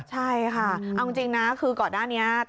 ใช่ค่ะเอาจริงนะคือก่อนหน้านี้